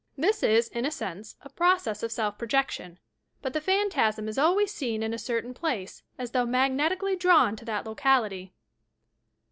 This is, in a sense, a process of self projection, but the phan tasm is always seen in a certain place as though magnet ically drawn to that locality.